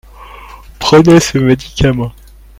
Prenez ce médicament.